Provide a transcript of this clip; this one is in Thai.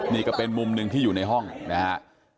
นี่ก็เป็นมุมหนึ่งที่อยู่ในห้องนะฮะ